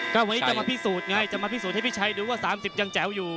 ก็วันนี้จะมาพิสูจน์ไงจะมาพิสูจน์ให้พี่ชัยดูว่า๓๐ยังแจ๋วอยู่